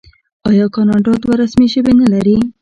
آیا کاناډا دوه رسمي ژبې نلري؟